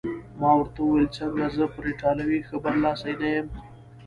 ما ورته وویل: څنګه، زه پر ایټالوي ښه برلاسی نه یم؟